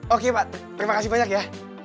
oke pak terima kasih banyak ya